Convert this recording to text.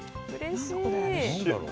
何だろう。